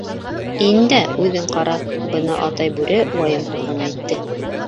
— Ин дә үҙең ҡара, — быны Атай Бүре вайымһыҙ ғына әйтте.